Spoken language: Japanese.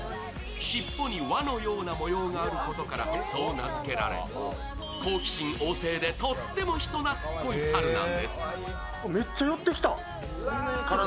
尻尾に輪のような模様があることからそうなづけられ、好奇心旺盛でとっても人なつっこい猿なんです。